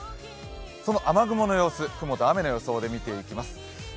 その雨雲の様子、雲と雨の予想で見ていきます。